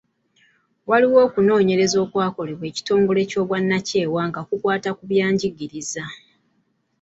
Waliwo okunoonyereza okwakolebwa ekitongole eky’obwannakyewa nga kukwata ku byanjigiriza.